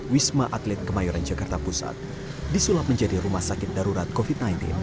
wisma atlet kemayoran jakarta pusat disulap menjadi rumah sakit darurat covid sembilan belas